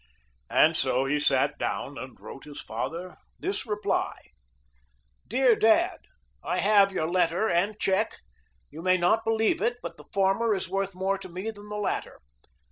And so he sat down and wrote his father this reply: DEAR DAD: I have your letter and check. You may not believe it, but the former is worth more to me than the latter.